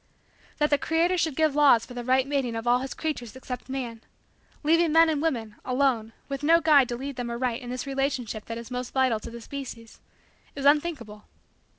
That the Creator should give laws for the right mating of all his creatures except man leaving men and women, alone, with no guide to lead them aright in this relationship that is most vital to the species is unthinkable.